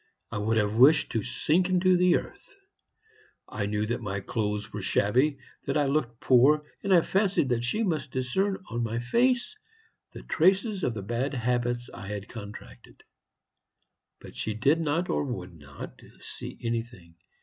I would have wished to sink into the earth. I knew that my clothes were shabby, that I looked poor, and I fancied that she must discern on my face the traces of the bad habits I had contracted. But she did not, or would not, see anything.